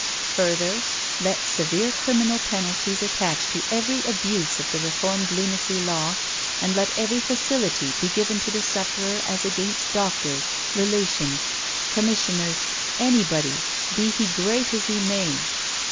Further, let severe criminal penalties attach to every abuse of the reformed Lunacy Law, and let every facility be given to the sufferer as against doctors, relations, Commissioners, anybody, be he great as he may.